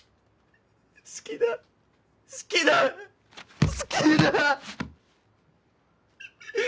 好きだ好きだ好きだ！